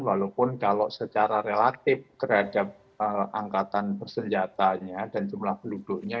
walaupun kalau secara relatif terhadap angkatan bersenjatanya dan jumlah penduduknya